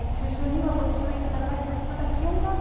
熱中症にはご注意ください。